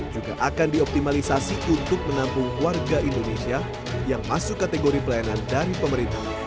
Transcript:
juga akan dioptimalisasi untuk menampung warga indonesia yang masuk kategori pelayanan dari pemerintah